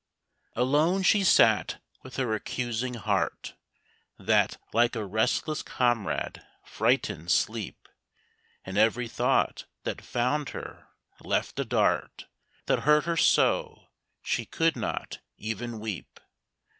Alone she sat with her accusing heart, That, like a restless comrade frightened sleep, And every thought that found her, left a dart That hurt her so, she could not even weep.